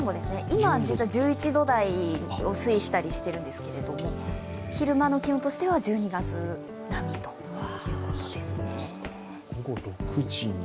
今、１１度台を推移したりしてるんですが昼間の気温としては１２月並みということですね。